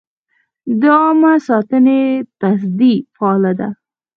د عامه ساتنې تصدۍ فعال ده؟